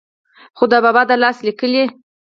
خو دَبابا دَلاس ليکلې